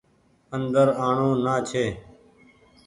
اندر آڻو نآ ڇي۔